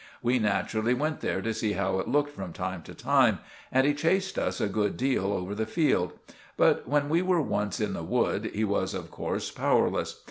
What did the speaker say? We naturally went there to see how it looked from time to time, and he chased us a good deal over the field; but, when we were once in the wood, he was of course powerless.